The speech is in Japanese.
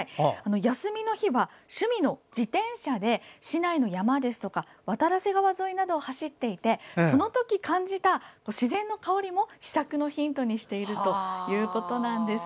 休みの日は趣味の自転車で市内の山ですとか渡良瀬川沿いなどを走っていて、そのとき感じた自然の香りも試作のヒントにしているということです。